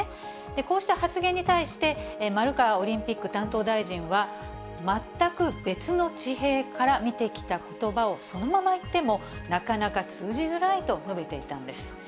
こうした発言に対して、丸川オリンピック担当大臣は、全く別の地平から見てきたことばをそのまま言っても、なかなか通じづらいと述べていたんです。